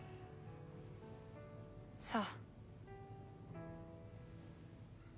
そう。